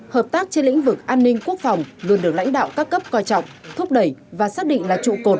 hợp tác trên lĩnh vực an ninh quốc phòng luôn được lãnh đạo các cấp coi trọng thúc đẩy và xác định là trụ cột